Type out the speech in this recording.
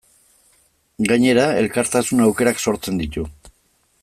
Gainera, elkartasun aukerak sortzen ditu.